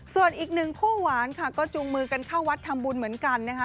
ส่วนอีกหนึ่งคู่หวานค่ะก็จูงมือกันเข้าวัดทำบุญเหมือนกันนะคะ